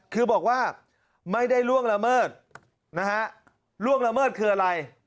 คือบอกว่าไม่ได้ล่วงละเมิดนะฮะล่วงละเมิดคืออะไร